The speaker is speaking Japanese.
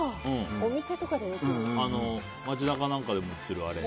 街中なんかで売ってる、あれ。